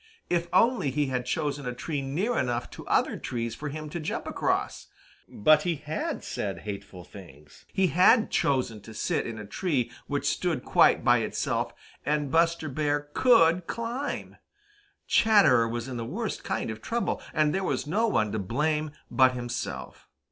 If only he had chosen a tree near enough to other trees for him to jump across! But he had said hateful things, he had chosen to sit in a tree which stood quite by itself, and Buster Bear could climb! Chatterer was in the worst kind of trouble, and there was no one to blame but himself.